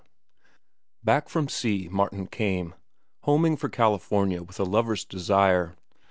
Back from sea Martin Eden came, homing for California with a lover's desire.